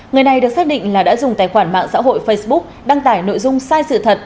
người này được xác định là đã dùng tài khoản mạng xã hội facebook đăng tải nội dung sai sự thật